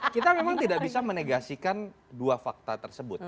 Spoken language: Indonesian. kita memang tidak bisa menegasikan dua fakta tersebut